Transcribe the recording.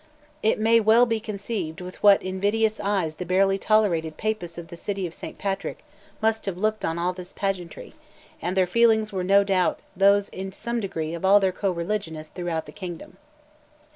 It may well be conceived with what invidious eyes the barely tolerated Papists of the city of Saint Patrick must have looked on all this pageantry, and their feelings were no doubt those in some degree of all their co religionists throughout the kingdom."